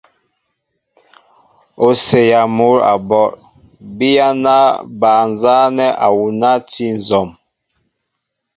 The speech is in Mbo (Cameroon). O séyɛɛ mŭ a ɓɔl, biyana ba hɛy nzanɛɛ awuna a ti nzɔm.